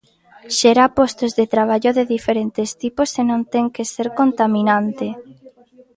Xera postos de traballo de diferentes tipos e non ten que ser contaminante.